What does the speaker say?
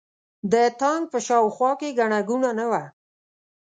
د تانک په شا او خوا کې ګڼه ګوڼه نه وه.